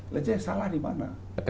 lajanya salah di mana